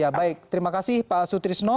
ya baik terima kasih pak sutrisno